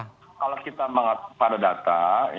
kalau kita pada data